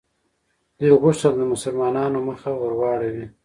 دوی غوښتل د مسلمانانو مخه ور واړوي.